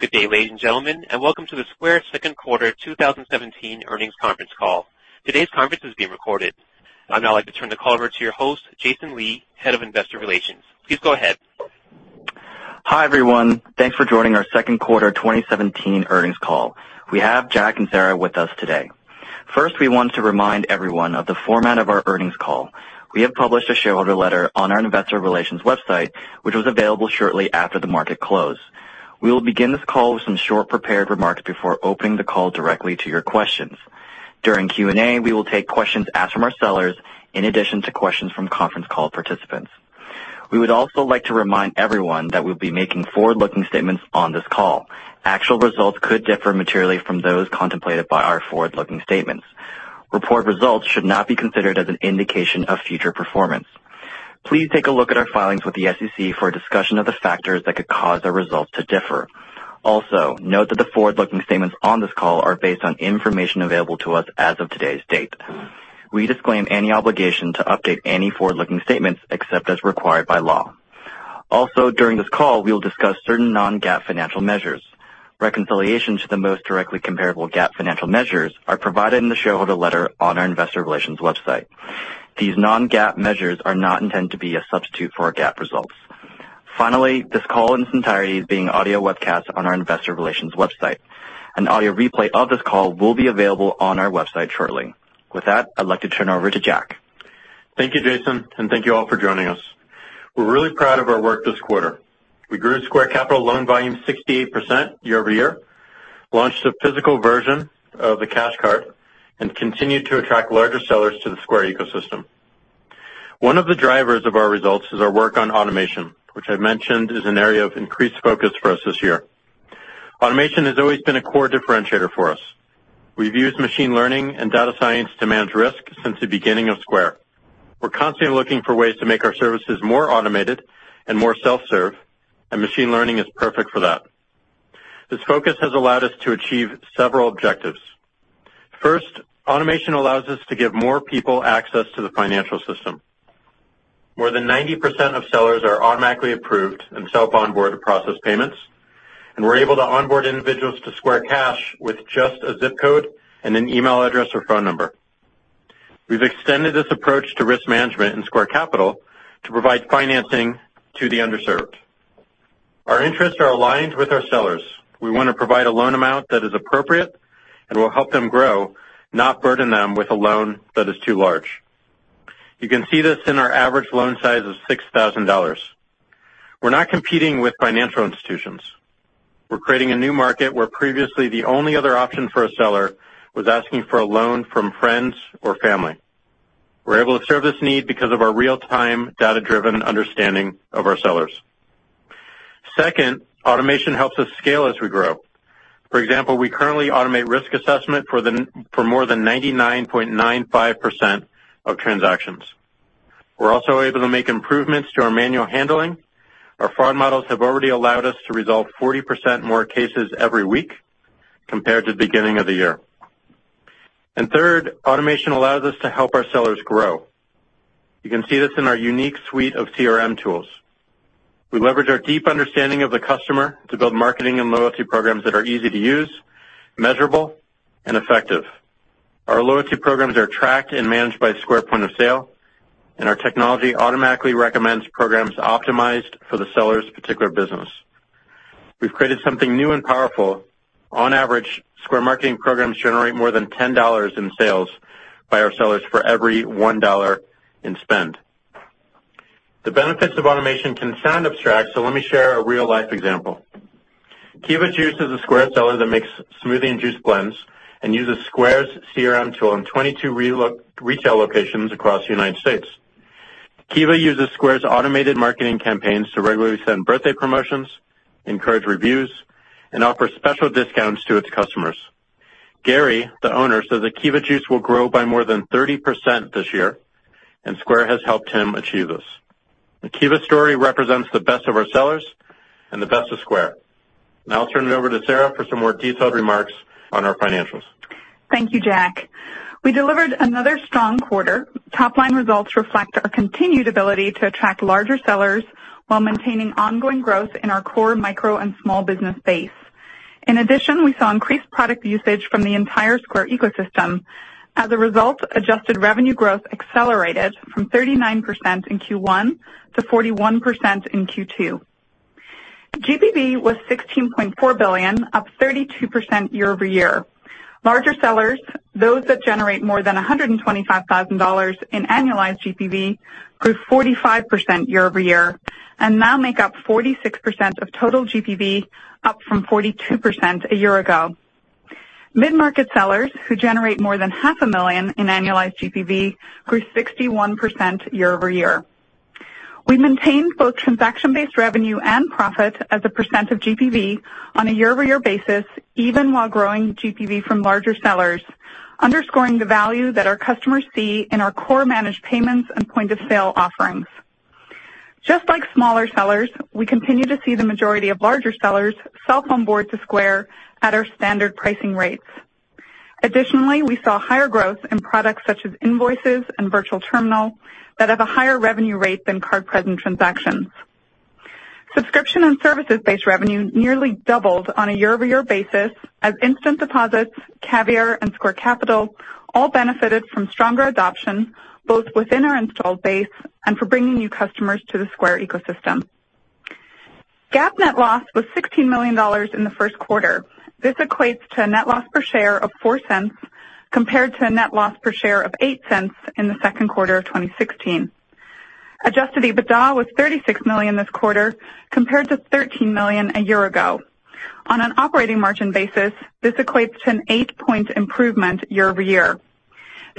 Good day, ladies and gentlemen, and welcome to the Square, Inc. second quarter 2017 earnings conference call. Today's conference is being recorded. I'd now like to turn the call over to your host, Jason Lee, Head of Investor Relations. Please go ahead. Hi, everyone. Thanks for joining our second quarter 2017 earnings call. We have Jack and Sarah with us today. First, we want to remind everyone of the format of our earnings call. We have published a shareholder letter on our investor relations website, which was available shortly after the market close. We will begin this call with some short prepared remarks before opening the call directly to your questions. During Q&A, we will take questions asked from our sellers in addition to questions from conference call participants. We would also like to remind everyone that we'll be making forward-looking statements on this call. Actual results could differ materially from those contemplated by our forward-looking statements. Reported results should not be considered as an indication of future performance. Please take a look at our filings with the SEC for a discussion of the factors that could cause our results to differ. Note that the forward-looking statements on this call are based on information available to us as of today's date. We disclaim any obligation to update any forward-looking statements except as required by law. During this call, we will discuss certain non-GAAP financial measures. Reconciliation to the most directly comparable GAAP financial measures are provided in the shareholder letter on our investor relations website. These non-GAAP measures are not intended to be a substitute for our GAAP results. This call in its entirety is being audio webcast on our investor relations website. An audio replay of this call will be available on our website shortly. With that, I'd like to turn it over to Jack. Thank you, Jason, and thank you all for joining us. We're really proud of our work this quarter. We grew Square Capital loan volume 68% year-over-year, launched a physical version of the Cash Card, and continued to attract larger sellers to the Square, Inc. ecosystem. One of the drivers of our results is our work on automation, which I've mentioned is an area of increased focus for us this year. Automation has always been a core differentiator for us. We've used machine learning and data science to manage risk since the beginning of Square, Inc.. We're constantly looking for ways to make our services more automated and more self-serve, machine learning is perfect for that. This focus has allowed us to achieve several objectives. First, automation allows us to give more people access to the financial system. More than 90% of sellers are automatically approved and self-onboard to process payments, we're able to onboard individuals to Square Cash with just a ZIP code and an email address or phone number. We've extended this approach to risk management in Square Capital to provide financing to the underserved. Our interests are aligned with our sellers. We want to provide a loan amount that is appropriate and will help them grow, not burden them with a loan that is too large. You can see this in our average loan size of $6,000. We're not competing with financial institutions. We're creating a new market where previously the only other option for a seller was asking for a loan from friends or family. We're able to serve this need because of our real-time, data-driven understanding of our sellers. Second, automation helps us scale as we grow. For example, we currently automate risk assessment for more than 99.95% of transactions. We're also able to make improvements to our manual handling. Our fraud models have already allowed us to resolve 40% more cases every week compared to the beginning of the year. Third, automation allows us to help our sellers grow. You can see this in our unique suite of CRM tools. We leverage our deep understanding of the customer to build marketing and loyalty programs that are easy to use, measurable, and effective. Our loyalty programs are tracked and managed by Square Point of Sale, our technology automatically recommends programs optimized for the seller's particular business. We've created something new and powerful. On average, Square marketing programs generate more than $10 in sales by our sellers for every $1 in spend. The benefits of automation can sound abstract, so let me share a real-life example. Keva Juice is a Square seller that makes smoothie and juice blends and uses Square's CRM tool in 22 retail locations across the U.S. Keva uses Square's automated marketing campaigns to regularly send birthday promotions, encourage reviews, and offer special discounts to its customers. Gary, the owner, says that Keva Juice will grow by more than 30% this year, Square has helped him achieve this. The Keva story represents the best of our sellers and the best of Square. Now I'll turn it over to Sarah for some more detailed remarks on our financials. Thank you, Jack. We delivered another strong quarter. Top-line results reflect our continued ability to attract larger sellers while maintaining ongoing growth in our core micro and small business base. In addition, we saw increased product usage from the entire Square ecosystem. As a result, adjusted revenue growth accelerated from 39% in Q1 to 41% in Q2. GPV was $16.4 billion, up 32% year-over-year. Larger sellers, those that generate more than $125,000 in annualized GPV, grew 45% year-over-year and now make up 46% of total GPV, up from 42% a year ago. Mid-market sellers, who generate more than half a million in annualized GPV, grew 61% year-over-year. We maintained both transaction-based revenue and profit as a percent of GPV on a year-over-year basis, even while growing GPV from larger sellers, underscoring the value that our customers see in our core managed payments and point-of-sale offerings. Just like smaller sellers, we continue to see the majority of larger sellers self-onboard to Square at our standard pricing rates. Additionally, we saw higher growth in products such as Invoices and Virtual Terminal that have a higher revenue rate than card-present transactions. Subscription and services-based revenue nearly doubled on a year-over-year basis as Instant Deposits, Caviar, and Square Capital all benefited from stronger adoption, both within our installed base and for bringing new customers to the Square ecosystem. GAAP net loss was $16 million in the first quarter. This equates to a net loss per share of $0.04 compared to a net loss per share of $0.08 in the second quarter of 2016. Adjusted EBITDA was $36 million this quarter, compared to $13 million a year ago. On an operating margin basis, this equates to an eight-point improvement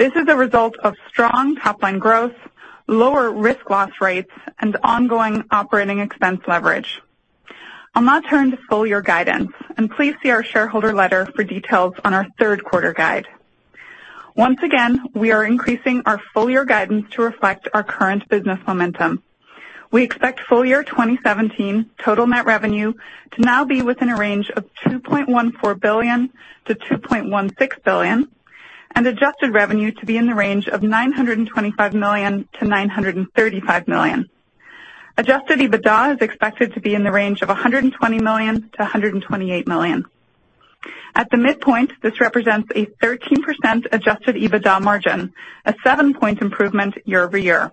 year-over-year. I'll now turn to full-year guidance, please see our shareholder letter for details on our third quarter guide. Once again, we are increasing our full year guidance to reflect our current business momentum. We expect full year 2017 total net revenue to now be within a range of $2.14 billion-$2.16 billion, and adjusted revenue to be in the range of $925 million-$935 million. Adjusted EBITDA is expected to be in the range of $120 million-$128 million. At the midpoint, this represents a 13% adjusted EBITDA margin, a seven-point improvement year-over-year.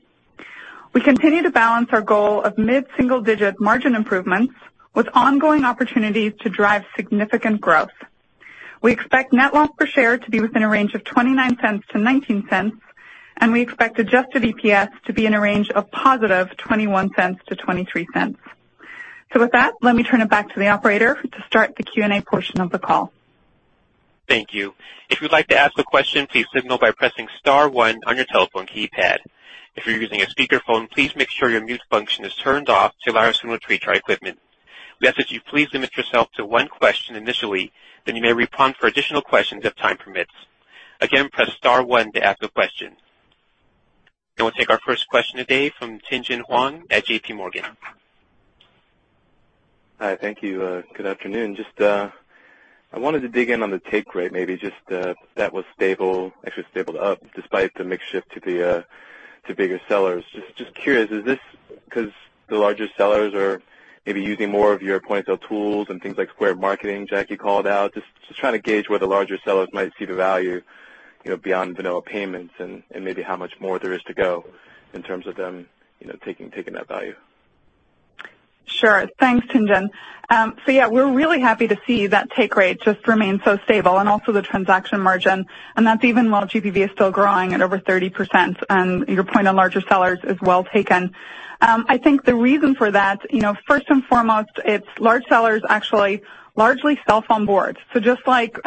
We continue to balance our goal of mid-single-digit margin improvements with ongoing opportunities to drive significant growth. We expect net loss per share to be within a range of $0.29-$0.19, and we expect adjusted EPS to be in a range of positive $0.21-$0.23. With that, let me turn it back to the operator to start the Q&A portion of the call. Thank you. If you'd like to ask a question, please signal by pressing *1 on your telephone keypad. If you're using a speakerphone, please make sure your mute function is turned off to allow us to manipulate your equipment. We ask that you please limit yourself to one question initially, then you may reprompt for additional questions if time permits. Again, press *1 to ask a question. We'll take our first question today from Tien-Tsin Huang at JPMorgan. I wanted to dig in on the take rate, maybe just that was stable, actually stabled up despite the mix shift to bigger sellers. Just curious, is this because the larger sellers are maybe using more of your point-of-sale tools and things like Square Marketing, Jack called out? Just trying to gauge where the larger sellers might see the value beyond vanilla payments and maybe how much more there is to go in terms of them taking that value. Sure. Thanks, Tien-Tsin. Yeah, we're really happy to see that take rate just remain so stable and also the transaction margin, and that's even while GPV is still growing at over 30%. Your point on larger sellers is well taken. I think the reason for that, first and foremost, it's large sellers actually largely self-onboard. Just like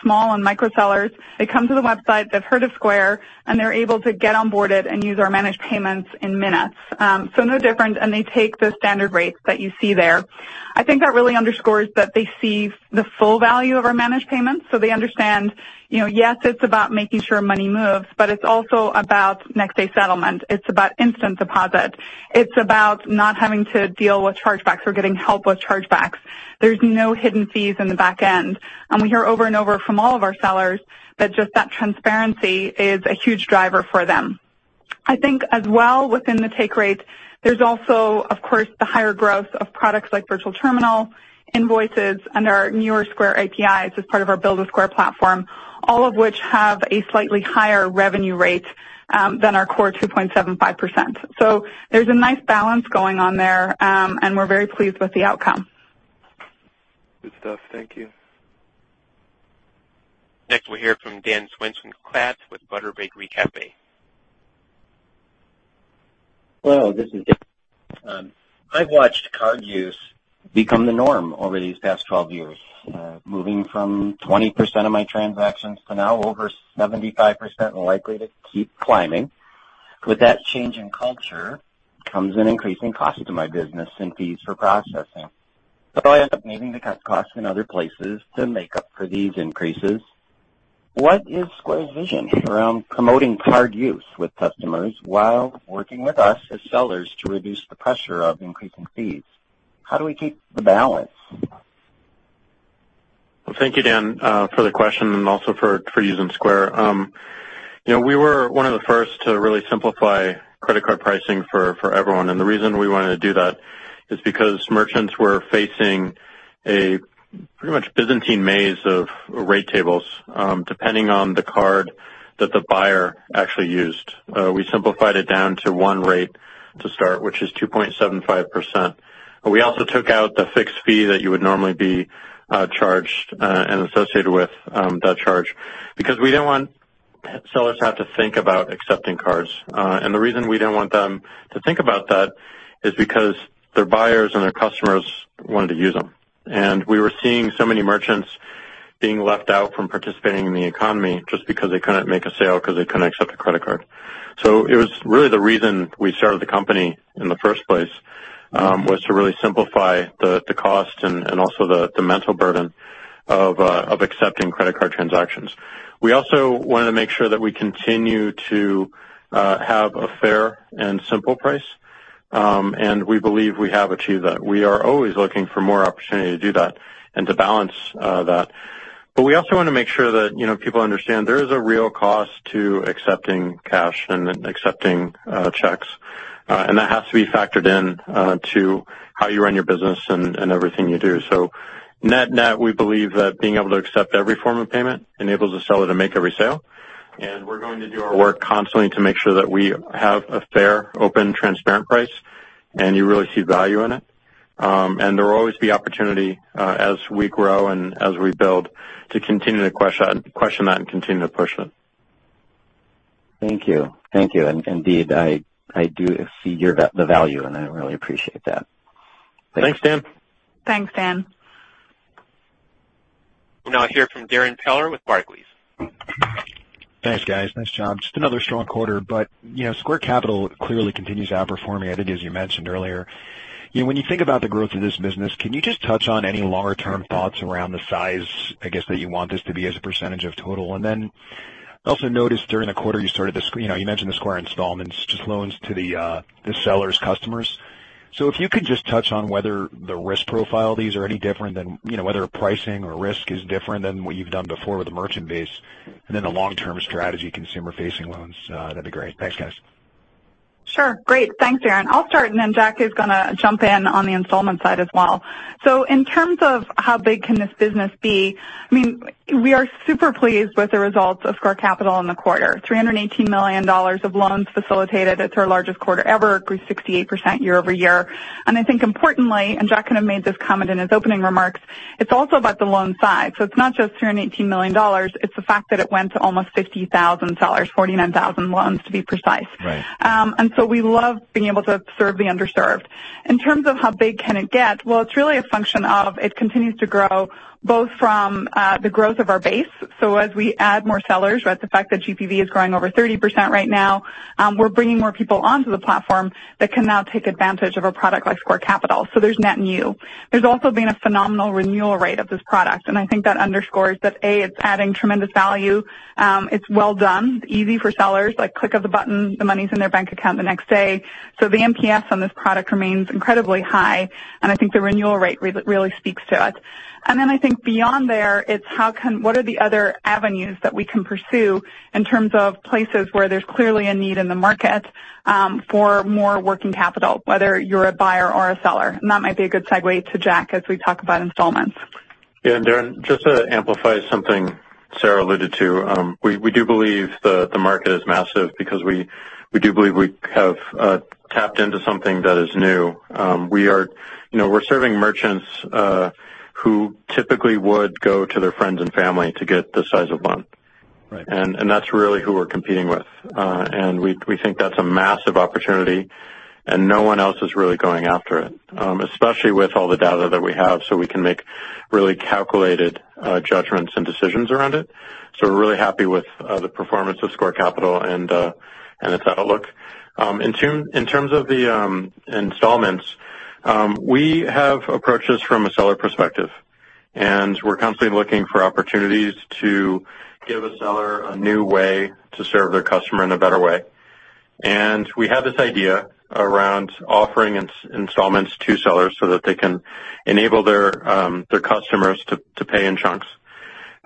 small and micro sellers, they come to the website, they've heard of Square, and they're able to get onboarded and use our managed payments in minutes. No different, and they take the standard rates that you see there. I think that really underscores that they see the full value of our managed payments. They understand, yes, it's about making sure money moves, but it's also about next-day settlement. It's about Instant Deposits. It's about not having to deal with chargebacks or getting help with chargebacks. There's no hidden fees in the back end. We hear over and over from all of our sellers that just that transparency is a huge driver for them. I think as well within the take rates, there's also, of course, the higher growth of products like Virtual Terminal, Invoices, and our newer Square APIs as part of our Build with Square platform, all of which have a slightly higher revenue rate, than our core 2.75%. There's a nice balance going on there, and we're very pleased with the outcome. Good stuff. Thank you. We'll hear from Dan Swenson-Klatt with Butter Bakery Cafe. Hello, this is Dan. I've watched card use become the norm over these past 12 years. Moving from 20% of my transactions to now over 75% and likely to keep climbing. With that change in culture comes an increase in cost to my business and fees for processing. I end up needing to cut costs in other places to make up for these increases. What is Square's vision around promoting card use with customers while working with us as sellers to reduce the pressure of increasing fees? How do we keep the balance? Well, thank you, Dan, for the question and also for using Square. We were one of the first to really simplify credit card pricing for everyone, the reason we wanted to do that is because merchants were facing a pretty much Byzantine maze of rate tables, depending on the card that the buyer actually used. We simplified it down to one rate to start, which is 2.75%. We also took out the fixed fee that you would normally be charged, and associated with that charge, because we didn't want sellers to have to think about accepting cards. The reason we didn't want them to think about that is because their buyers and their customers wanted to use them. We were seeing so many merchants being left out from participating in the economy just because they couldn't make a sale because they couldn't accept a credit card. It was really the reason we started the company in the first place, was to really simplify the cost and also the mental burden of accepting credit card transactions. We also wanted to make sure that we continue to have a fair and simple price. We believe we have achieved that. We are always looking for more opportunity to do that and to balance that. We also want to make sure that people understand there is a real cost to accepting cash and accepting checks, and that has to be factored in to how you run your business and everything you do. Net-net, we believe that being able to accept every form of payment enables a seller to make every sale. We're going to do our work constantly to make sure that we have a fair, open, transparent price and you really see value in it. There will always be opportunity, as we grow and as we build, to continue to question that and continue to push that. Thank you. Thank you. Indeed, I do see the value, and I really appreciate that. Thanks, Dan. Thanks, Dan. We'll hear from Darrin Peller with Barclays. Thanks, guys. Nice job. Another strong quarter, Square Capital clearly continues to outperform, I think, as you mentioned earlier. When you think about the growth of this business, can you just touch on any longer-term thoughts around the size, I guess, that you want this to be as a percentage of total? Also noticed during the quarter, you mentioned the Square Installments, just loans to the sellers' customers. If you could just touch on whether the risk profile of these are any different than, whether pricing or risk is different than what you've done before with the merchant base, and then the long-term strategy consumer-facing loans, that'd be great. Thanks, guys. Sure. Great. Thanks, Darrin. I'll start and then Jack is going to jump in on the installment side as well. In terms of how big can this business be, we are super pleased with the results of Square Capital in the quarter. $318 million of loans facilitated. It's our largest quarter ever, grew 68% year-over-year. I think importantly, Jack kind of made this comment in his opening remarks, it's also about the loan size. It's not just $318 million, it's the fact that it went to almost 50,000 sellers, 49,000 loans, to be precise. Right. We love being able to serve the underserved. In terms of how big can it get? Well, it's really a function of, it continues to grow both from the growth of our base. As we add more sellers, the fact that GPV is growing over 30% right now, we're bringing more people onto the platform that can now take advantage of a product like Square Capital. There's net new. There's also been a phenomenal renewal rate of this product, and I think that underscores that, A, it's adding tremendous value. It's well done. It's easy for sellers, like click of the button, the money's in their bank account the next day. The NPS on this product remains incredibly high, and I think the renewal rate really speaks to it. I think beyond there, it's what are the other avenues that we can pursue in terms of places where there's clearly a need in the market for more working capital, whether you're a buyer or a seller. That might be a good segue to Jack as we talk about installments. Darrin, just to amplify something Sarah alluded to. We do believe the market is massive because we do believe we have tapped into something that is new. We're serving merchants who typically would go to their friends and family to get this size of loan. Right. That's really who we're competing with. We think that's a massive opportunity, and no one else is really going after it, especially with all the data that we have, so we can make really calculated judgments and decisions around it. We're really happy with the performance of Square Capital and its outlook. In terms of the installments, we have approached this from a seller perspective, and we're constantly looking for opportunities to give a seller a new way to serve their customer in a better way. We had this idea around offering installments to sellers so that they can enable their customers to pay in chunks,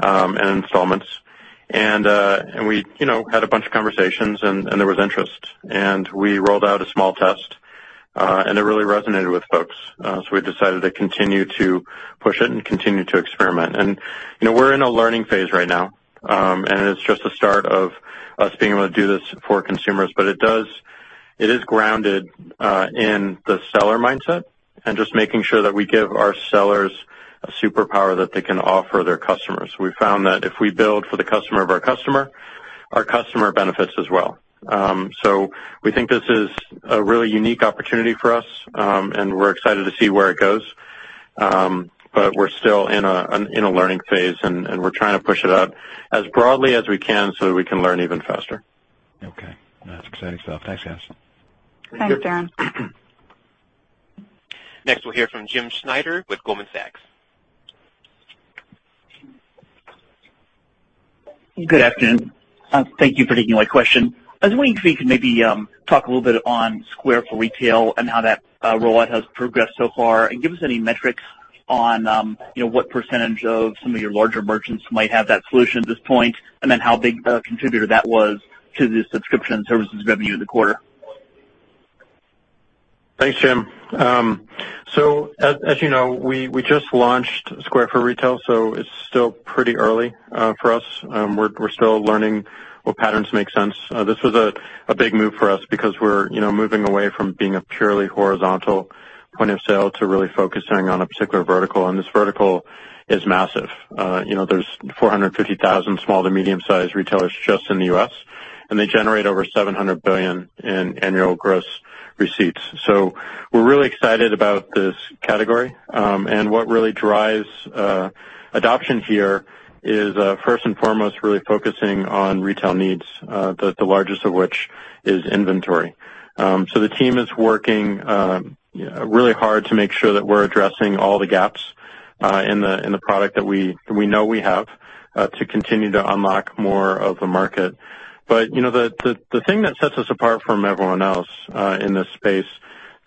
in installments. We had a bunch of conversations, and there was interest. We rolled out a small test, and it really resonated with folks. We decided to continue to push it and continue to experiment. We're in a learning phase right now. It's just the start of us being able to do this for consumers. It is grounded in the seller mindset and just making sure that we give our sellers a superpower that they can offer their customers. We found that if we build for the customer of our customer, our customer benefits as well. We think this is a really unique opportunity for us, and we're excited to see where it goes. We're still in a learning phase, and we're trying to push it out as broadly as we can so that we can learn even faster. Okay. No, that's exciting stuff. Thanks, guys. Thanks, Darrin. Next, we'll hear from James Schneider with Goldman Sachs. Good afternoon. Thank you for taking my question. I was wondering if we could maybe talk a little bit on Square for Retail and how that rollout has progressed so far, and give us any metrics on what % of some of your larger merchants might have that solution at this point, and then how big a contributor that was to the subscription services revenue in the quarter. Thanks, Jim. As you know, we just launched Square for Retail, it's still pretty early for us. We're still learning what patterns make sense. This was a big move for us because we're moving away from being a purely horizontal point-of-sale to really focusing on a particular vertical. This vertical is massive. There's 450,000 small to medium-sized retailers just in the U.S., and they generate over $700 billion in annual gross receipts. We're really excited about this category. What really drives adoption here is, first and foremost, really focusing on retail needs, the largest of which is inventory. The team is working really hard to make sure that we're addressing all the gaps in the product that we know we have to continue to unlock more of the market. The thing that sets us apart from everyone else in this space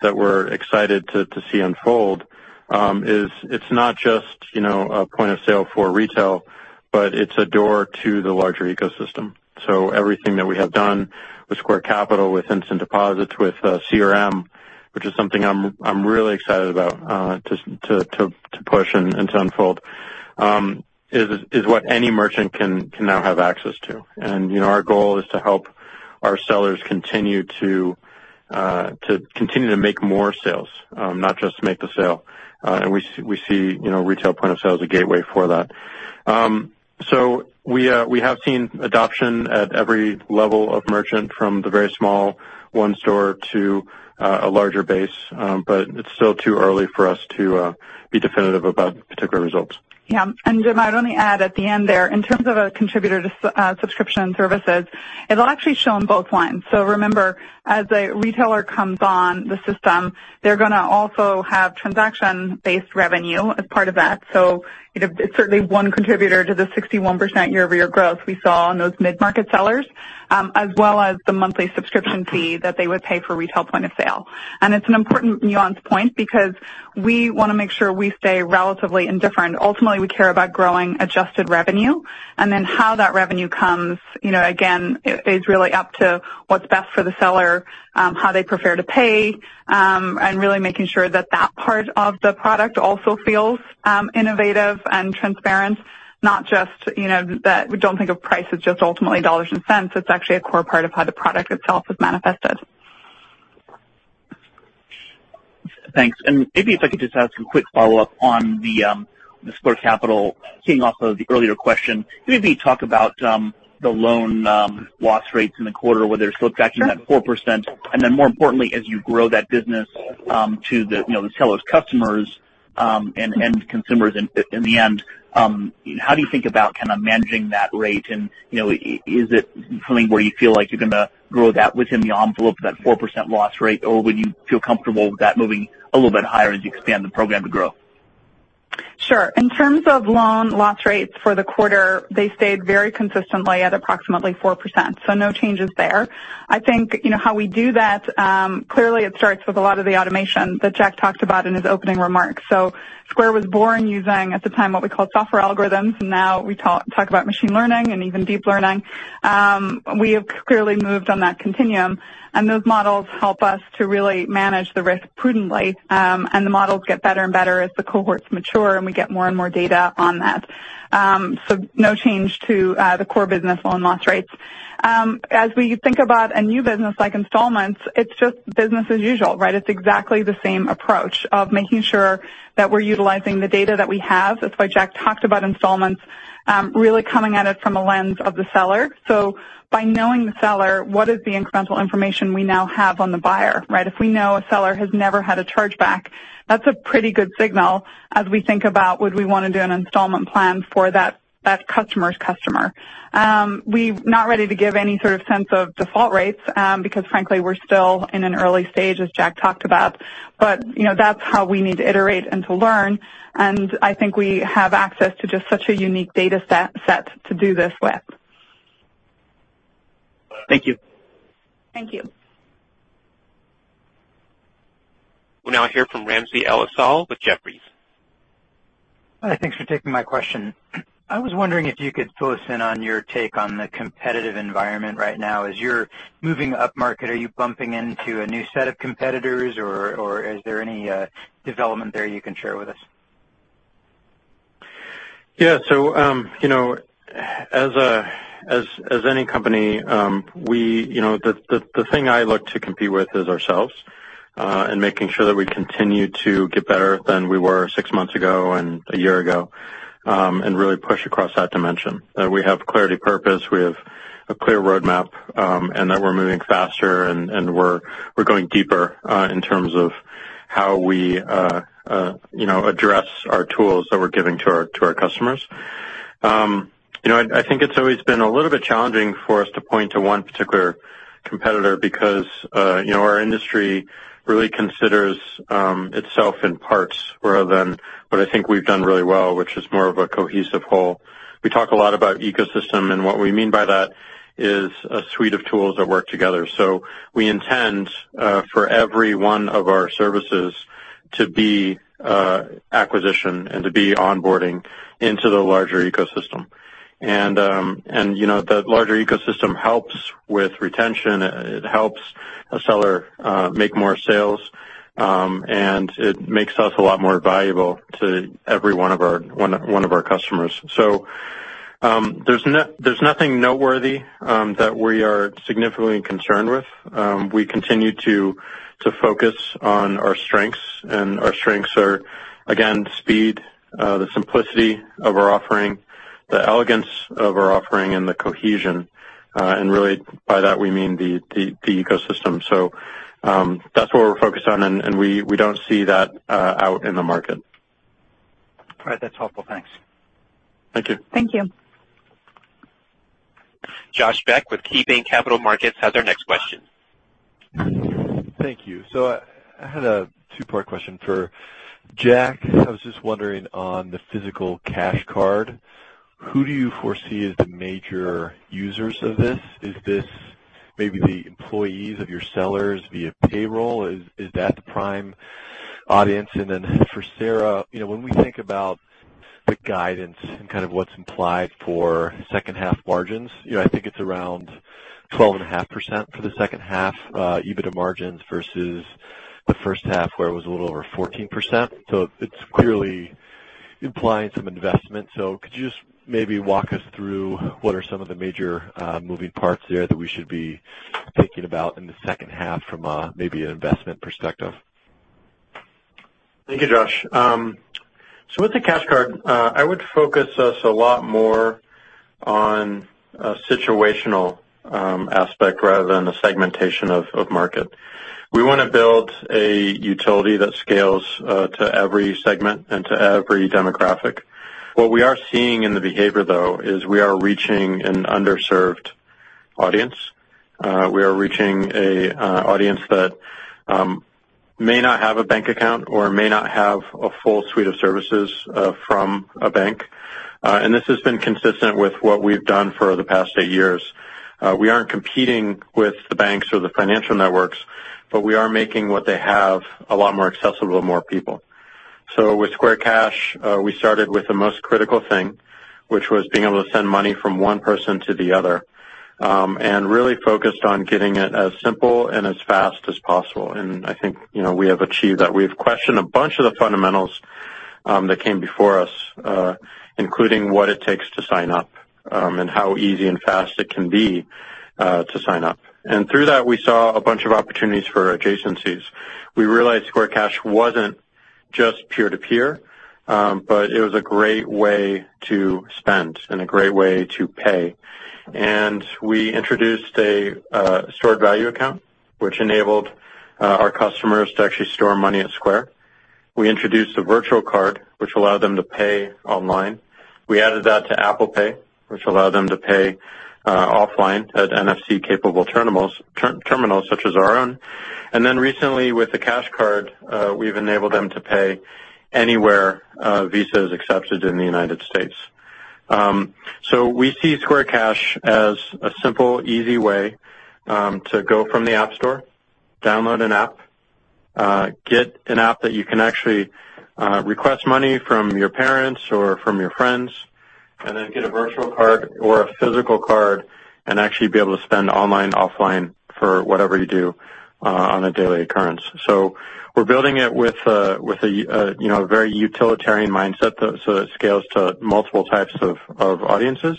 that we're excited to see unfold, is it's not just a point-of-sale for retail, but it's a door to the larger ecosystem. Everything that we have done with Square Capital, with Instant Deposits, with CRM, which is something I'm really excited about to push and to unfold, is what any merchant can now have access to. Our goal is to help our sellers continue to make more sales, not just make the sale. We see retail point-of-sale as a gateway for that. We have seen adoption at every level of merchant, from the very small one store to a larger base. It's still too early for us to be definitive about particular results. Yeah. Jim, I'd only add at the end there, in terms of a contributor to subscription services, it'll actually show on both lines. Remember, as a retailer comes on the system, they're going to also have transaction-based revenue as part of that. It's certainly one contributor to the 61% year-over-year growth we saw in those mid-market sellers, as well as the monthly subscription fee that they would pay for retail point-of-sale. It's an important nuance point because we want to make sure we stay relatively indifferent. Ultimately, we care about growing adjusted revenue, how that revenue comes, again, is really up to what's best for the seller, how they prefer to pay, and really making sure that that part of the product also feels innovative and transparent. Not just that we don't think of price as just ultimately dollars and cents. It's actually a core part of how the product itself is manifested. Thanks. Maybe if I could just ask a quick follow-up on the Square Capital, keying off of the earlier question, can you maybe talk about the loan loss rates in the quarter, whether it's still tracking that 4%? More importantly, as you grow that business to the seller's customers and consumers in the end, how do you think about kind of managing that rate? Is it something where you feel like you're going to grow that within the envelope of that 4% loss rate, or would you feel comfortable with that moving a little bit higher as you expand the program to grow? Sure. In terms of loan loss rates for the quarter, they stayed very consistently at approximately 4%. No changes there. I think how we do that, clearly it starts with a lot of the automation that Jack talked about in his opening remarks. Square was born using, at the time, what we called software algorithms, and now we talk about machine learning and even deep learning. We have clearly moved on that continuum, and those models help us to really manage the risk prudently, and the models get better and better as the cohorts mature and we get more and more data on that. No change to the core business loan loss rates. As we think about a new business like installments, it's just business as usual, right? It's exactly the same approach of making sure that we're utilizing the data that we have. That's why Jack talked about installments really coming at it from a lens of the seller. By knowing the seller, what is the incremental information we now have on the buyer, right? If we know a seller has never had a chargeback, that's a pretty good signal as we think about would we want to do an installment plan for that customer's customer. We're not ready to give any sort of sense of default rates, because frankly, we're still in an early stage, as Jack talked about. That's how we need to iterate and to learn, and I think we have access to just such a unique data set to do this with. Thank you. Thank you. We'll now hear from Ramsey El-Assal with Jefferies. Hi, thanks for taking my question. I was wondering if you could fill us in on your take on the competitive environment right now. As you're moving upmarket, are you bumping into a new set of competitors, or is there any development there you can share with us? As any company, the thing I look to compete with is ourselves, and making sure that we continue to get better than we were six months ago and one year ago, and really push across that dimension. That we have clarity purpose, we have a clear roadmap, and that we're moving faster and we're going deeper in terms of how we address our tools that we're giving to our customers. I think it's always been a little bit challenging for us to point to one particular competitor because our industry really considers itself in parts rather than what I think we've done really well, which is more of a cohesive whole. We talk a lot about ecosystem, what we mean by that is a suite of tools that work together. We intend for every one of our services to be acquisition and to be onboarding into the larger ecosystem. The larger ecosystem helps with retention. It helps a seller make more sales, and it makes us a lot more valuable to every one of our customers. There's nothing noteworthy that we are significantly concerned with. We continue to focus on our strengths, and our strengths are, again, speed, the simplicity of our offering, the elegance of our offering and the cohesion. Really by that we mean the ecosystem. That's what we're focused on, and we don't see that out in the market. All right. That's helpful. Thanks. Thank you. Thank you. Josh Beck with KeyBanc Capital Markets has our next question. Thank you. I had a two-part question for Jack. I was just wondering on the physical Cash Card, who do you foresee as the major users of this? Is this maybe the employees of your sellers via payroll? Is that the prime audience? Then for Sarah, when we think about the guidance and kind of what's implied for second half margins, I think it's around 12.5% for the second half EBITDA margins versus the first half, where it was a little over 14%. It's clearly implying some investment. Could you just maybe walk us through what are some of the major moving parts there that we should be thinking about in the second half from maybe an investment perspective? Thank you, Josh. With the Cash Card, I would focus us a lot more on a situational aspect rather than a segmentation of market. We want to build a utility that scales to every segment and to every demographic. What we are seeing in the behavior, though, is we are reaching an underserved audience. We are reaching an audience that may not have a bank account or may not have a full suite of services from a bank. This has been consistent with what we've done for the past eight years. We aren't competing with the banks or the financial networks, but we are making what they have a lot more accessible to more people. With Square Cash, we started with the most critical thing, which was being able to send money from one person to the other, and really focused on getting it as simple and as fast as possible. I think we have achieved that. We've questioned a bunch of the fundamentals that came before us, including what it takes to sign up, and how easy and fast it can be to sign up. Through that, we saw a bunch of opportunities for adjacencies. We realized Square Cash wasn't just peer-to-peer, but it was a great way to spend and a great way to pay. We introduced a stored value account, which enabled our customers to actually store money at Square. We introduced a virtual card, which allowed them to pay online. We added that to Apple Pay, which allowed them to pay offline at NFC-capable terminals such as our own. Recently with the Cash Card, we've enabled them to pay anywhere Visa is accepted in the United States. We see Square Cash as a simple, easy way to go from the App Store, download an app, get an app that you can actually request money from your parents or from your friends, and then get a virtual card or a physical card and actually be able to spend online, offline for whatever you do on a daily occurrence. We're building it with a very utilitarian mindset so it scales to multiple types of audiences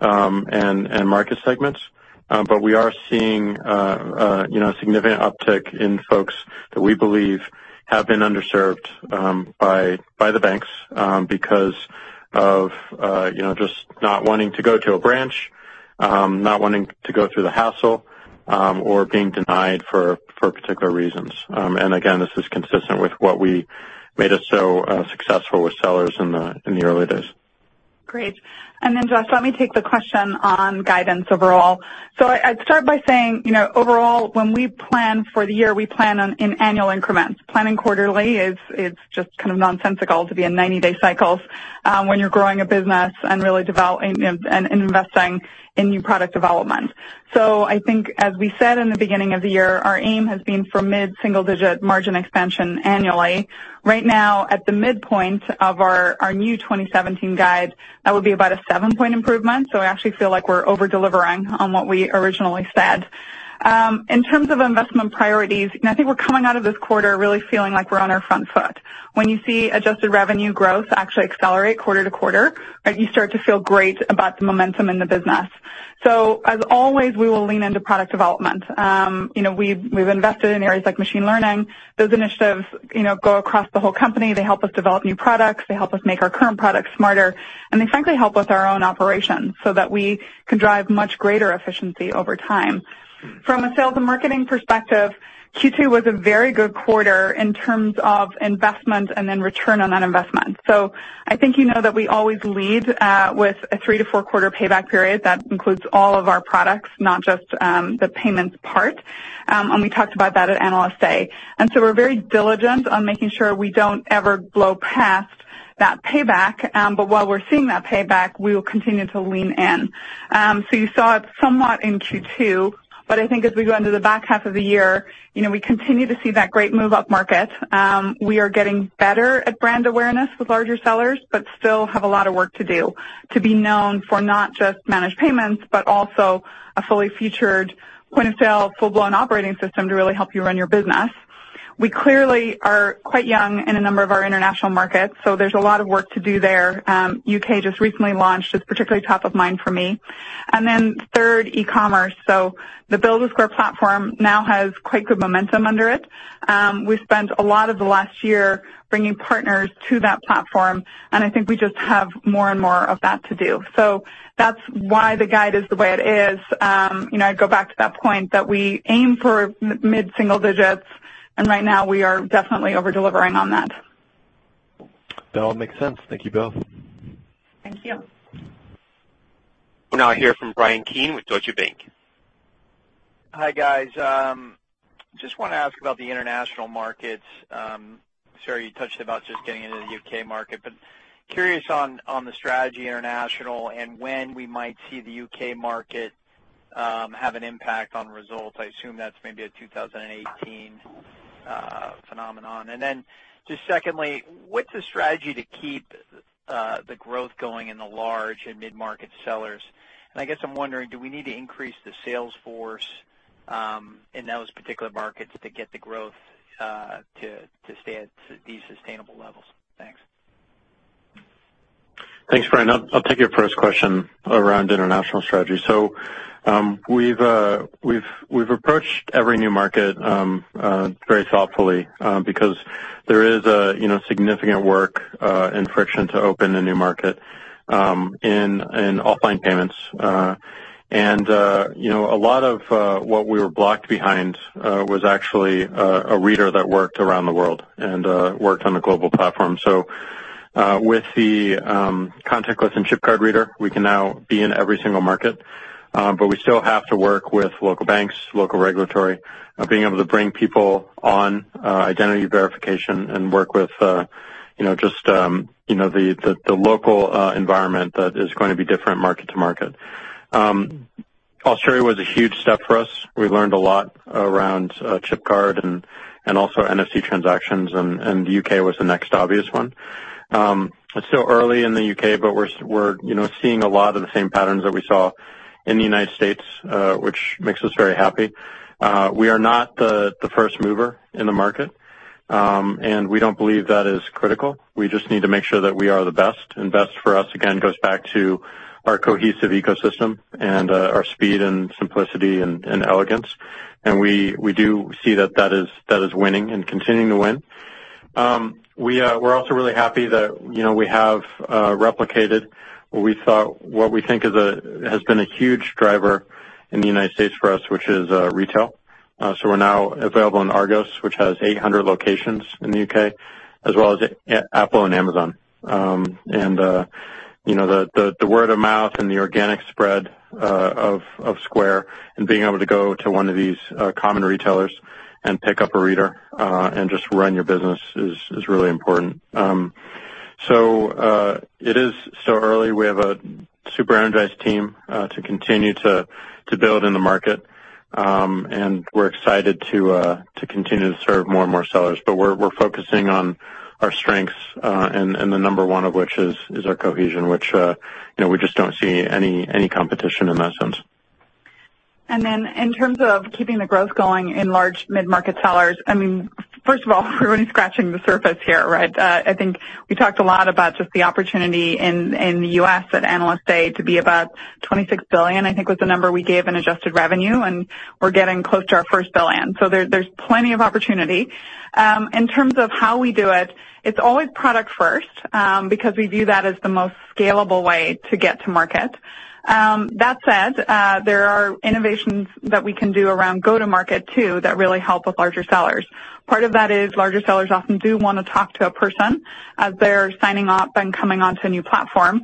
and market segments. We are seeing a significant uptick in folks that we believe have been underserved by the banks because of just not wanting to go to a branch, not wanting to go through the hassle, or being denied for particular reasons. Again, this is consistent with what we made us so successful with sellers in the early days. Great. Josh, let me take the question on guidance overall. I'd start by saying, overall, when we plan for the year, we plan in annual increments. Planning quarterly is just kind of nonsensical to be in 90-day cycles when you're growing a business and really investing in new product development. I think as we said in the beginning of the year, our aim has been for mid-single-digit margin expansion annually. Right now, at the midpoint of our new 2017 guide, that would be about a seven-point improvement. I actually feel like we're over-delivering on what we originally said. In terms of investment priorities, I think we're coming out of this quarter really feeling like we're on our front foot. When you see adjusted revenue growth actually accelerate quarter-to-quarter, you start to feel great about the momentum in the business. As always, we will lean into product development. We've invested in areas like machine learning. Those initiatives go across the whole company. They help us develop new products. They help us make our current products smarter, and they frankly help with our own operations so that we can drive much greater efficiency over time. From a sales and marketing perspective, Q2 was a very good quarter in terms of investment and then return on that investment. I think you know that we always lead with a three to four quarter payback period. That includes all of our products, not just the payments part. We talked about that at Analyst Day. We're very diligent on making sure we don't ever blow past that payback. While we're seeing that payback, we will continue to lean in. You saw it somewhat in Q2, but I think as we go into the back half of the year, we continue to see that great move-up market. We are getting better at brand awareness with larger sellers, but still have a lot of work to do to be known for not just managed payments, but also a fully featured point-of-sale, full-blown operating system to really help you run your business. We clearly are quite young in a number of our international markets, so there's a lot of work to do there. U.K. just recently launched. It's particularly top of mind for me. Third, e-commerce. The Build with Square platform now has quite good momentum under it. We spent a lot of the last year bringing partners to that platform, and I think we just have more and more of that to do. That's why the guide is the way it is. I go back to that point that we aim for mid-single digits, right now we are definitely over-delivering on that. That all makes sense. Thank you both. Thank you. We'll now hear from Bryan Keane with Deutsche Bank. Hi, guys. Just want to ask about the international markets. Sorry, you touched about just getting into the U.K. market, but curious on the strategy international and when we might see the U.K. market have an impact on results. I assume that's maybe a 2018 phenomenon. Secondly, what's the strategy to keep the growth going in the large and mid-market sellers? I guess I'm wondering, do we need to increase the sales force in those particular markets to get the growth to stay at these sustainable levels? Thanks. Thanks, Bryan. I'll take your first question around international strategy. We've approached every new market very thoughtfully because there is significant work and friction to open a new market in offline payments. A lot of what we were blocked behind was actually a reader that worked around the world and worked on a global platform. With the contactless and chip card reader, we can now be in every single market. We still have to work with local banks, local regulatory, being able to bring people on identity verification and work with just the local environment that is going to be different market to market. Australia was a huge step for us. We learned a lot around chip card and also NFC transactions, and the U.K. was the next obvious one. It's still early in the U.K., we're seeing a lot of the same patterns that we saw in the United States, which makes us very happy. We are not the first mover in the market, we don't believe that is critical. We just need to make sure that we are the best for us, again, goes back to our cohesive ecosystem and our speed and simplicity and elegance. We do see that is winning and continuing to win. We're also really happy that we have replicated what we think has been a huge driver in the United States for us, which is retail. We're now available in Argos, which has 800 locations in the U.K., as well as Apple and Amazon. The word of mouth and the organic spread of Square and being able to go to one of these common retailers and pick up a reader and just run your business is really important. It is still early. We have a super energized team to continue to build in the market. We're excited to continue to serve more and more sellers. We're focusing on our strengths, and the number one of which is our cohesion, which we just don't see any competition in that sense. In terms of keeping the growth going in large mid-market sellers, first of all, we're only scratching the surface here, right? I think we talked a lot about just the opportunity in the U.S. that analysts say to be about $26 billion, I think was the number we gave in adjusted revenue, and we're getting close to our $1 billion. There's plenty of opportunity. In terms of how we do it's always product first, because we view that as the most scalable way to get to market. That said, there are innovations that we can do around go-to-market too that really help with larger sellers. Part of that is larger sellers often do want to talk to a person as they're signing up and coming onto a new platform.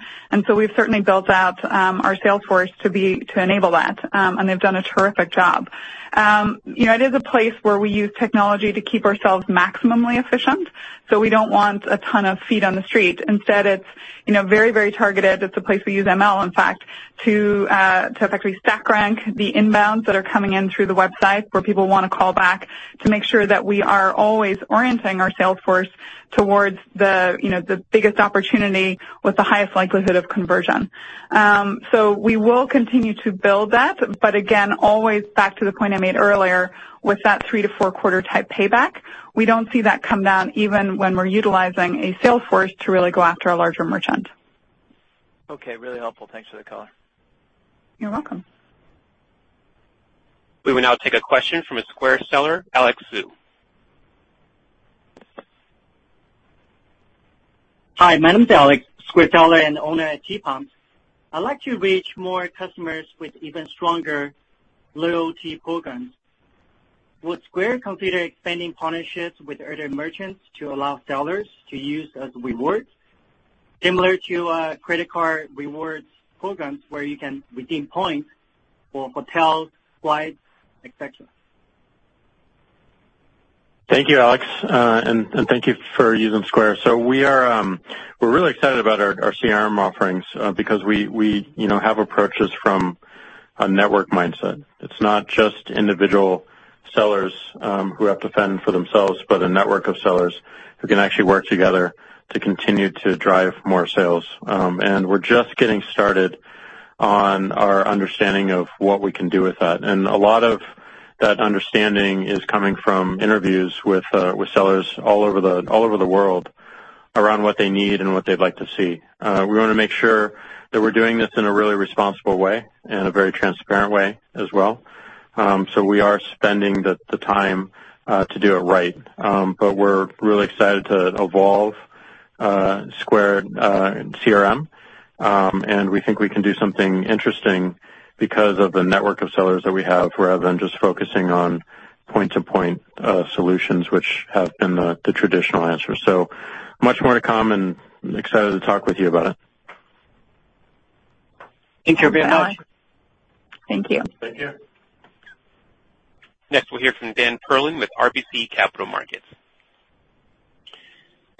We've certainly built out our sales force to enable that, and they've done a terrific job. It is a place where we use technology to keep ourselves maximumly efficient. We don't want a ton of feet on the street. Instead, it's very targeted. It's a place we use ML, in fact, to effectively stack rank the inbounds that are coming in through the website where people want to call back to make sure that we are always orienting our sales force towards the biggest opportunity with the highest likelihood of conversion. We will continue to build that. Again, always back to the point I made earlier with that three to four quarter type payback. We don't see that come down even when we're utilizing a sales force to really go after a larger merchant. Okay. Really helpful. Thanks for the color. You're welcome. We will now take a question from a Square seller, Alex Zhu. Hi, my name is Alex, Square seller and owner at Tpumps. I'd like to reach more customers with even stronger loyalty programs. Would Square consider expanding partnerships with other merchants to allow sellers to use as rewards, similar to credit card rewards programs where you can redeem points for hotels, flights, et cetera? Thank you, Alex, and thank you for using Square. We're really excited about our CRM offerings because we have approaches from a network mindset. It's not just individual sellers who have to fend for themselves, but a network of sellers who can actually work together to continue to drive more sales. We're just getting started on our understanding of what we can do with that. A lot of that understanding is coming from interviews with sellers all over the world around what they need and what they'd like to see. We want to make sure that we're doing this in a really responsible way and a very transparent way as well. We are spending the time to do it right. We're really excited to evolve Square CRM, and we think we can do something interesting because of the network of sellers that we have, rather than just focusing on point-to-point solutions, which have been the traditional answer. Much more to come, and excited to talk with you about it. Thank you. Thank you. Thank you. Next, we'll hear from Dan Perlin with RBC Capital Markets.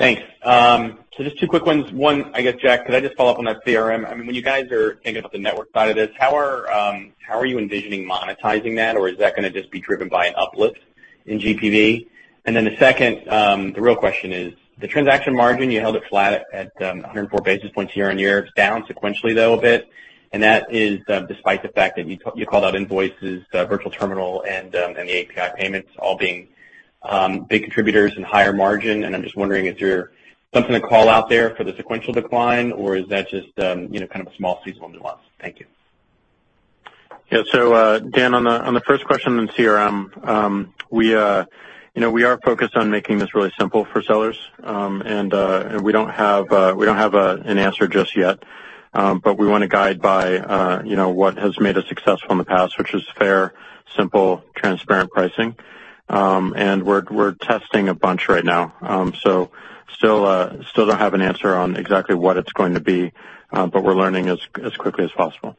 Thanks. Just two quick ones. One, I guess, Jack, could I just follow up on that CRM? When you guys are thinking about the network side of this, how are you envisioning monetizing that? Is that going to just be driven by an uplift in GPV? The second, the real question is, the transaction margin, you held it flat at 104 basis points year-on-year. It's down sequentially, though, a bit, that is despite the fact that you called out invoices, virtual terminal, and the API payments all being big contributors in higher margin. I'm just wondering if there's something to call out there for the sequential decline, or is that just kind of a small seasonal nuance? Thank you. Yeah. Dan, on the first question on CRM, we are focused on making this really simple for sellers. We don't have an answer just yet. We want to guide by what has made us successful in the past, which is fair, simple, transparent pricing. We're testing a bunch right now. Still don't have an answer on exactly what it's going to be, but we're learning as quickly as possible.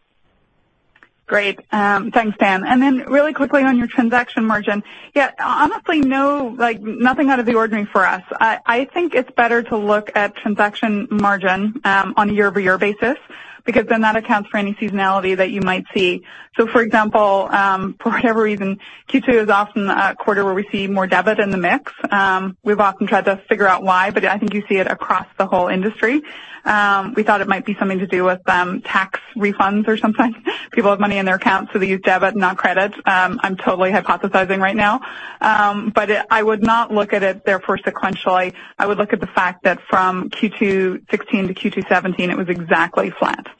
Great. Thanks, Dan. Really quickly on your transaction margin. Yeah, honestly, no, nothing out of the ordinary for us. I think it's better to look at transaction margin on a year-over-year basis, because then that accounts for any seasonality that you might see. For example, for whatever reason, Q2 is often a quarter where we see more debit in the mix. We've often tried to figure out why, but I think you see it across the whole industry. We thought it might be something to do with tax refunds or something. People have money in their account, so they use debit, not credit. I'm totally hypothesizing right now. I would not look at it therefore sequentially. I would look at the fact that from Q2 2016 to Q2 2017, it was exactly flat.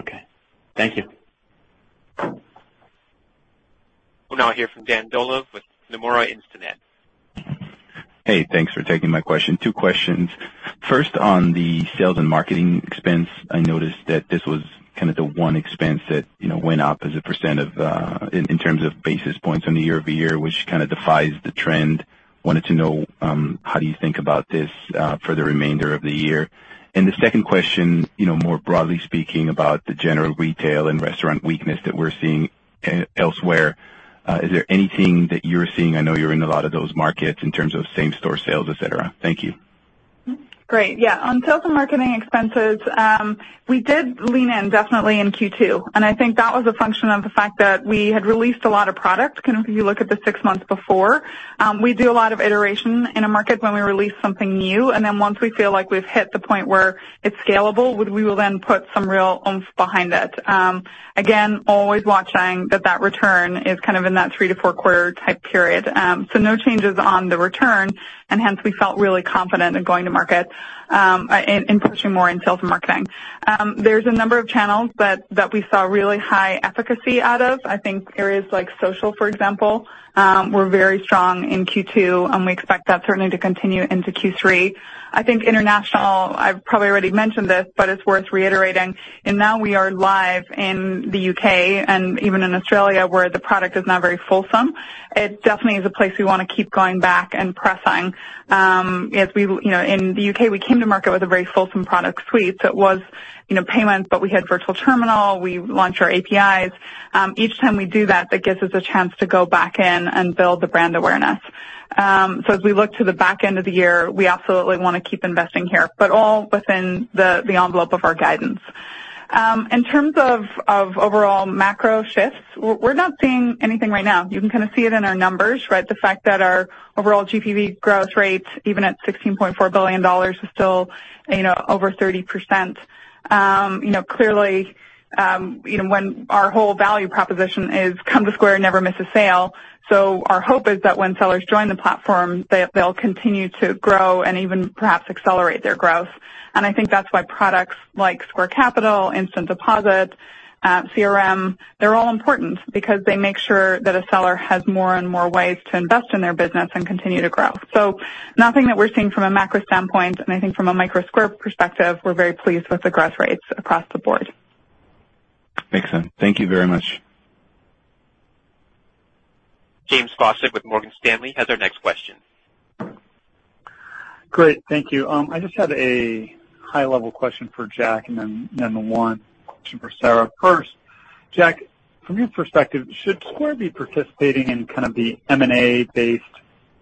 Okay. Thank you. We'll now hear from Dan Dolev with Nomura Instinet. Hey, thanks for taking my question. Two questions. First, on the sales and marketing expense, I noticed that this was kind of the one expense that went up as a % in terms of basis points on the year-over-year, which kind of defies the trend. Wanted to know, how do you think about this for the remainder of the year? The second question, more broadly speaking about the general retail and restaurant weakness that we're seeing elsewhere, is there anything that you're seeing, I know you're in a lot of those markets, in terms of same-store sales, et cetera? Thank you. Great. Yeah. On sales and marketing expenses, we did lean in definitely in Q2, and I think that was a function of the fact that we had released a lot of product, kind of if you look at the six months before. We do a lot of iteration in a market when we release something new, and then once we feel like we've hit the point where it's scalable, we will then put some real oomph behind it. Again, always watching that that return is kind of in that three- to four-quarter type period. No changes on the return, and hence, we felt really confident in going to market and pushing more in sales and marketing. There's a number of channels that we saw really high efficacy out of. I think areas like social, for example, were very strong in Q2, and we expect that certainly to continue into Q3. I think international, I've probably already mentioned this, but it's worth reiterating, in now we are live in the U.K. and even in Australia where the product is not very fulsome. It definitely is a place we want to keep going back and pressing. In the U.K., we came to market with a very fulsome product suite that was payments, but we had Square Virtual Terminal, we launched our Square APIs. Each time we do that gives us a chance to go back in and build the brand awareness. As we look to the back end of the year, we absolutely want to keep investing here, but all within the envelope of our guidance. In terms of overall macro shifts, we're not seeing anything right now. You can kind of see it in our numbers, right? The fact that our overall GPV growth rate, even at $16.4 billion, is still over 30%. Clearly, when our whole value proposition is come to Square, never miss a sale, so our hope is that when sellers join the platform, they'll continue to grow and even perhaps accelerate their growth. I think that's why products like Square Capital, Instant Deposits, CRM, they're all important because they make sure that a seller has more and more ways to invest in their business and continue to grow. Nothing that we're seeing from a macro standpoint, and I think from a micro Square perspective, we're very pleased with the growth rates across the board. Makes sense. Thank you very much. James Faucette with Morgan Stanley has our next question. Great. Thank you. I just had a high-level question for Jack and then one question for Sarah. First, Jack, from your perspective, should Square be participating in kind of the M&A-based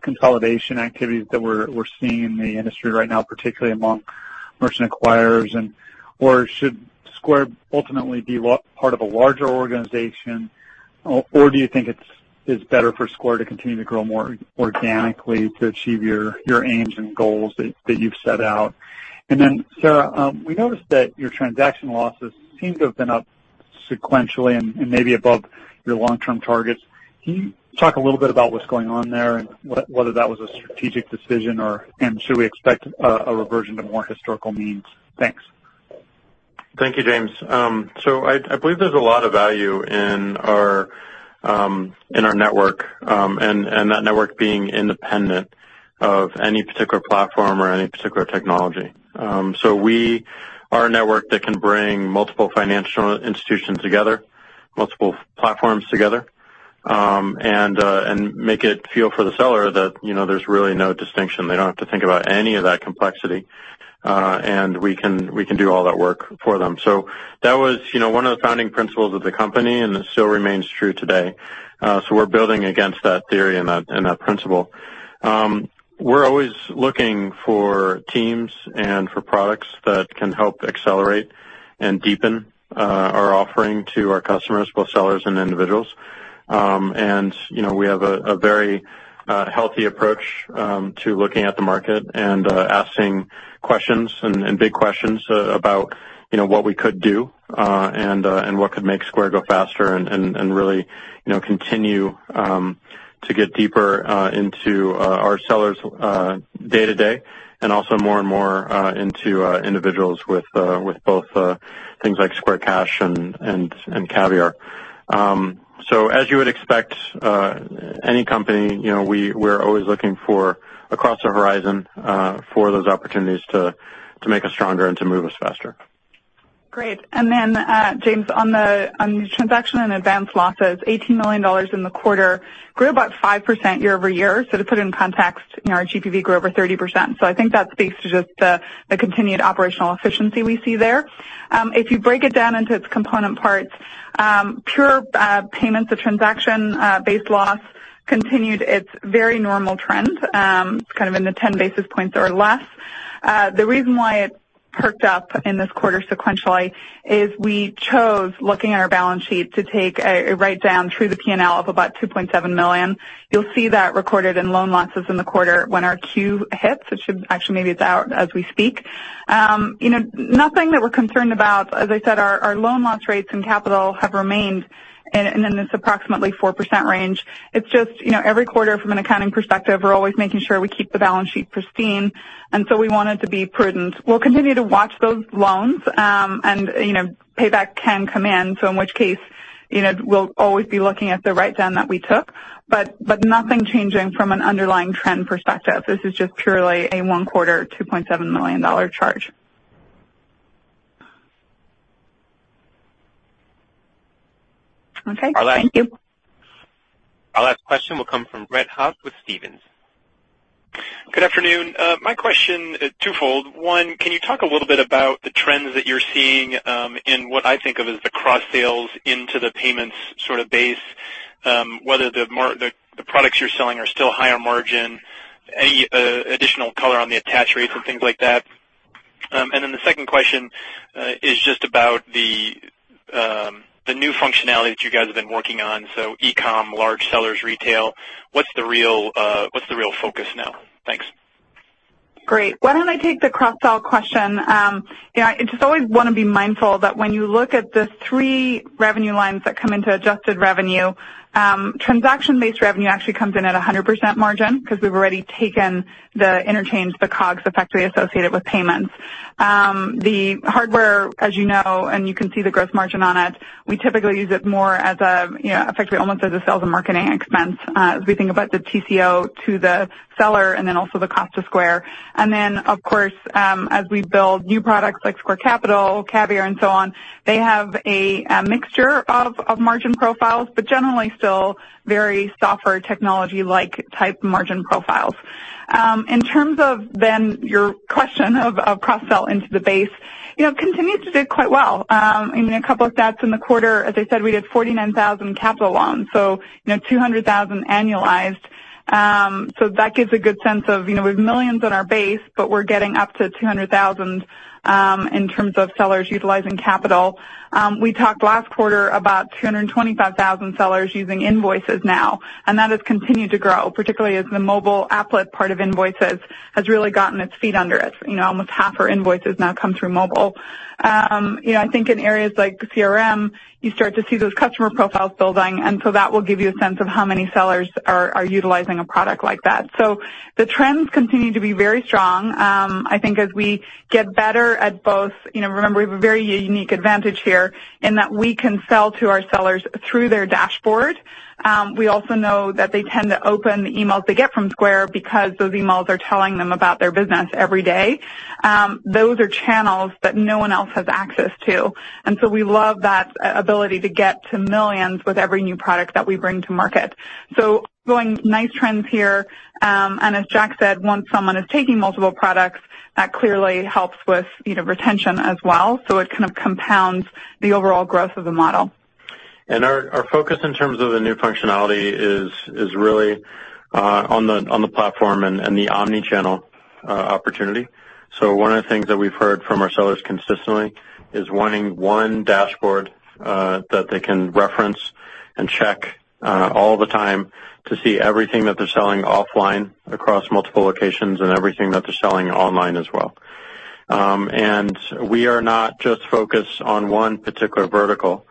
consolidation activities that we're seeing in the industry right now, particularly among merchant acquirers? Should Square ultimately be part of a larger organization, or do you think it's better for Square to continue to grow more organically to achieve your aims and goals that you've set out? And then Sarah, we noticed that your transaction losses seem to have been up sequentially and maybe above your long-term targets. Can you talk a little bit about what's going on there and whether that was a strategic decision, and should we expect a reversion to more historical means? Thanks. Thank you, James. I believe there's a lot of value in our in our network, and that network being independent of any particular platform or any particular technology. We are a network that can bring multiple financial institutions together, multiple platforms together, and make it feel for the seller that there's really no distinction. They don't have to think about any of that complexity, and we can do all that work for them. That was one of the founding principles of the company, and it still remains true today. We're building against that theory and that principle. We're always looking for teams and for products that can help accelerate and deepen our offering to our customers, both sellers and individuals. We have a very healthy approach to looking at the market and asking questions, and big questions, about what we could do, and what could make Square go faster and really continue to get deeper into our sellers' day-to-day, and also more and more into individuals with both things like Square Cash and Caviar. As you would expect any company, we're always looking across the horizon for those opportunities to make us stronger and to move us faster. Great. And then, James, on the transaction and advanced losses, $18 million in the quarter, grew about 5% year-over-year. To put it in context, our GPV grew over 30%. I think that speaks to just the continued operational efficiency we see there. If you break it down into its component parts, pure payments of transaction-based loss continued its very normal trend. It's kind of in the 10 basis points or less. The reason why it perked up in this quarter sequentially is we chose, looking at our balance sheet, to take a write-down through the P&L of about $2.7 million. You'll see that recorded in loan losses in the quarter when our Q hits, which should actually maybe it's out as we speak. Nothing that we're concerned about. As I said, our loan loss rates and capital have remained in this approximately 4% range. It's just, every quarter from an accounting perspective, we're always making sure we keep the balance sheet pristine. We wanted to be prudent. We'll continue to watch those loans, and payback can come in. In which case, we'll always be looking at the write-down that we took. Nothing changing from an underlying trend perspective. This is just purely a one-quarter $2.7 million charge. Okay. Thank you. Our last question will come from Brett Thill with Stephens. Good afternoon. My question is twofold. One, can you talk a little bit about the trends that you're seeing in what I think of as the cross-sales into the payments sort of base, whether the products you're selling are still higher margin, any additional color on the attach rates and things like that? The second question is just about the new functionality that you guys have been working on, so e-com, large sellers retail. What's the real focus now? Thanks. Great. Why don't I take the cross-sell question? Yeah. I just always want to be mindful that when you look at the three revenue lines that come into adjusted revenue, transaction-based revenue actually comes in at 100% margin because we've already taken the interchange, the cogs effectively associated with payments. The hardware, as you know, and you can see the gross margin on it, we typically use it more effectively almost as a sales and marketing expense as we think about the TCO to the seller and also the cost to Square. Of course, as we build new products like Square Capital, Caviar, and so on, they have a mixture of margin profiles, but generally still very software technology-like type margin profiles. In terms of your question of cross-sell into the base, it continues to do quite well. A couple of stats in the quarter, as I said, we did 49,000 Square Capital loans, so 200,000 annualized. That gives a good sense of, we have millions in our base, but we're getting up to 200,000 in terms of sellers utilizing Square Capital. We talked last quarter about 225,000 sellers using Square Invoices now, and that has continued to grow, particularly as the mobile applet part of Square Invoices has really gotten its feet under it. Almost half our Square Invoices now come through mobile. I think in areas like the Square CRM, you start to see those customer profiles building, that will give you a sense of how many sellers are utilizing a product like that. The trends continue to be very strong. I think as we get better at both, remember, we have a very unique advantage here in that we can sell to our sellers through their dashboard. We also know that they tend to open the emails they get from Square because those emails are telling them about their business every day. Those are channels that no one else has access to, we love that ability to get to millions with every new product that we bring to market. Going nice trends here. As Jack said, once someone is taking multiple products, that clearly helps with retention as well, it kind of compounds the overall growth of the model. Our focus in terms of the new functionality is really on the platform and the omni-channel opportunity. One of the things that we've heard from our sellers consistently is wanting one dashboard that they can reference and check all the time to see everything that they're selling offline across multiple locations and everything that they're selling online as well. We are not just focused on one particular vertical.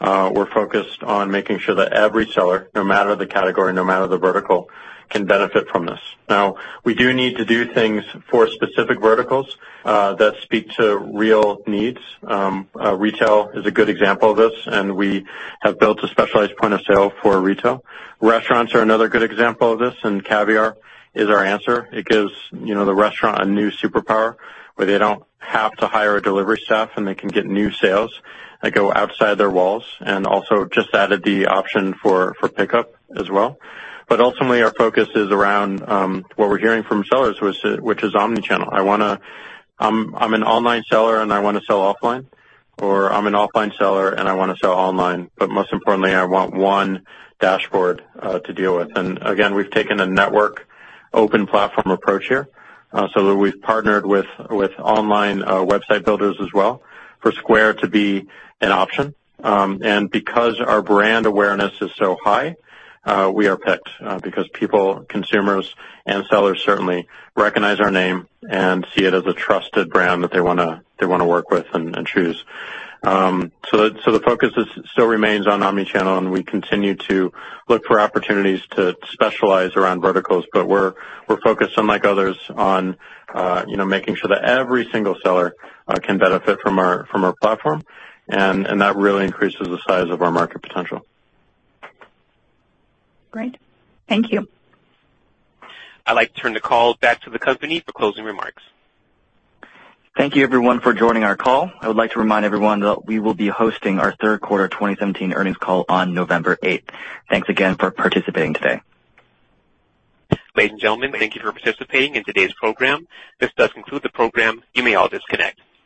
We're focused on making sure that every seller, no matter the category, no matter the vertical, can benefit from this. Now, we do need to do things for specific verticals that speak to real needs. Retail is a good example of this, and we have built a specialized Square Point of Sale for retail. Restaurants are another good example of this, Caviar is our answer. It gives the restaurant a new superpower where they don't have to hire a delivery staff, they can get new sales that go outside their walls and also just added the option for pickup as well. Ultimately, our focus is around what we're hearing from sellers, which is omni-channel. I'm an online seller, and I want to sell offline, or I'm an offline seller and I want to sell online, most importantly, I want one dashboard to deal with. Again, we've taken a network open platform approach here, so that we've partnered with online website builders as well for Square to be an option. Because our brand awareness is so high, we are picked because people, consumers, and sellers certainly recognize our name and see it as a trusted brand that they want to work with and choose. The focus still remains on omni-channel, and we continue to look for opportunities to specialize around verticals, but we're focused, unlike others, on making sure that every single seller can benefit from our platform, and that really increases the size of our market potential. Great. Thank you. I'd like to turn the call back to the company for closing remarks. Thank you everyone for joining our call. I would like to remind everyone that we will be hosting our third quarter 2017 earnings call on November 8th. Thanks again for participating today. Ladies and gentlemen, thank you for participating in today's program. This does conclude the program. You may all disconnect.